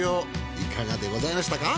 いかがでございましたか？